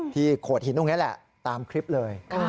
โขดหินตรงนี้แหละตามคลิปเลย